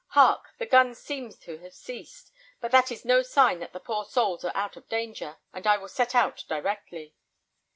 Hark! the guns seem to have ceased, but that is no sign that the poor souls are out of danger, and I will set out directly."